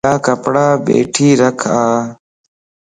يا ڪپڙا ٻيٺي رک ا